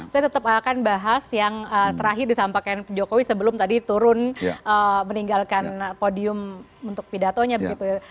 saya tetap akan bahas yang terakhir disampaikan jokowi sebelum tadi turun meninggalkan podium untuk pidatonya begitu ya